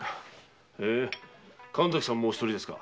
へえ神崎さんもお独りですか。